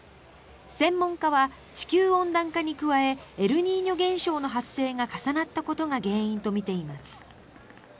専門家は地球温暖化に加えエルニーニョ現象の発生が重なったことが原因とみています。